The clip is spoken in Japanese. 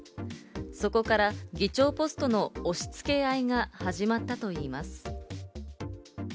そこから議長ポストの押し付け合いが始まったといいます。